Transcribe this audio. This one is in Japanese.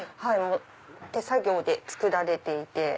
手作業で作られていて。